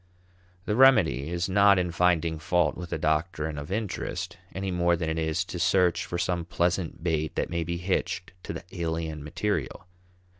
The remedy is not in finding fault with the doctrine of interest, any more than it is to search for some pleasant bait that may be hitched to the alien material.